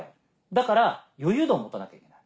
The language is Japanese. だから余裕度を持たなきゃいけない。